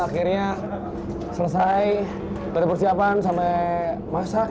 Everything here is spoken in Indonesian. akhirnya selesai dari persiapan sampai masak